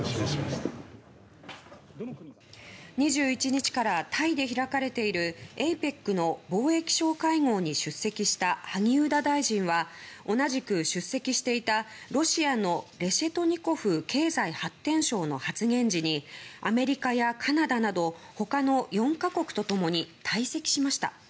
２１日からタイで開かれているＡＰＥＣの貿易相会合に出席した萩生田大臣は同じく出席していたロシアのレシェトニコフ経済発展相の発言時にアメリカやカナダなど他の４か国と共に退席しました。